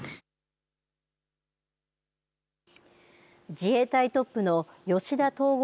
自衛隊トップの吉田統合